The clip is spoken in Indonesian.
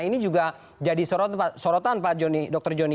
ini juga jadi sorotan dokter johnny